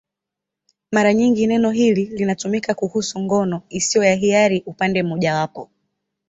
Mara nyingi neno hili linatumika kuhusu ngono isiyo ya hiari upande mmojawapo.